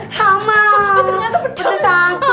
sama pedas aku